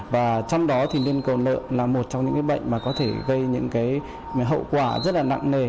và trong đó thì lên cầu lợn là một trong những bệnh mà có thể gây những cái hậu quả rất là nặng nề